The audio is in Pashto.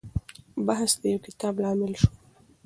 بحث د يو کتاب لامل شو.